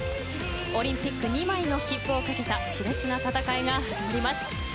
オリンピック２枚の切符を懸けた熾烈な戦いが始まります。